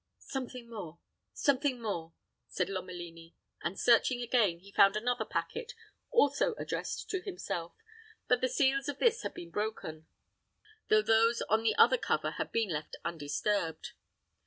"Something more something more," said Lomelini; and searching again, he found another packet, also addressed to himself; but the seals of this had been broken, though those on the other cover had been left undisturbed.